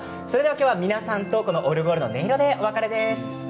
皆さんとオルゴールの音色でお別れです。